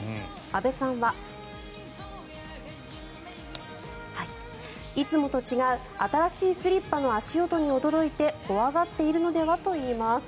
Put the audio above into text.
阿部さんは、いつもと違う新しいスリッパの足音に驚いて怖がっているのではといいます。